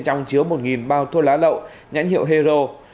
trong chứa một bao thuốc lá lậu nhãn hiệu hero